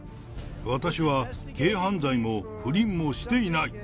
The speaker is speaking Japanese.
私は軽犯罪も不倫もしていない。